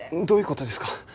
どういう事ですか？